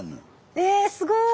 えすごい！